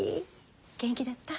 元気だった？